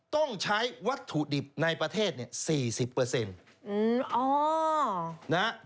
ต้องใช้วัตถุดิบในประเทศนี่๔๐เปอร์เซ็นต์